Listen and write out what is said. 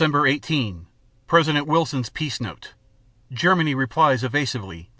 18 President Wilson's peace note._ Germany replies evasively (Dec.